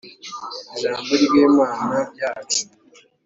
Ijambo ry Imana yacu